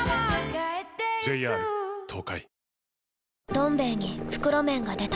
「どん兵衛」に袋麺が出た